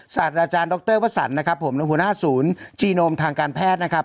ศาสตราจารย์ดรวสันนะครับผมหัวหน้าศูนย์จีโนมทางการแพทย์นะครับ